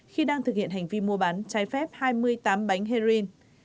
khi đang thực hiện hành vi mua bán trái phép hai mươi tám bánh heroin